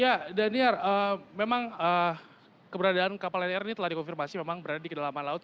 ya daniar memang keberadaan kapal lion air ini telah dikonfirmasi memang berada di kedalaman laut